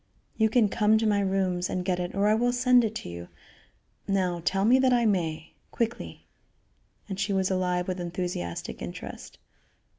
You can come to my rooms and get it or I will send it to you. Now tell me that I may. Quickly." And she was alive with enthusiastic interest.